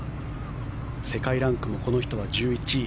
世界ランクもこの人は１１位。